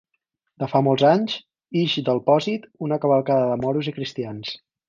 De fa molts anys, ix del Pòsit una cavalcada de moros i cristians.